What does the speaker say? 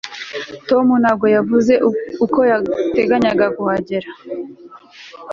tom ntabwo yavuze uko yateganyaga kuhagera